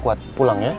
udah aku buat pulang ya